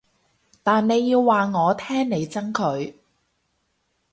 但你要話我聽你憎佢